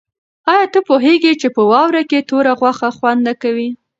آیا ته پوهېږې چې په واوره کې توره غوښه خوند نه کوي؟